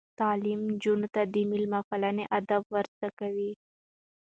تعلیم نجونو ته د میلمه پالنې آداب ور زده کوي.